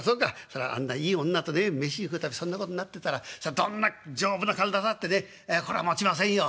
そらあんないい女とね飯食う度そんなことになってたらどんな丈夫な体だってねこらもちませんよ。